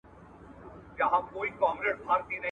د خرې دومره شيدې دي، چي د خپل کوټي ئې بس سي.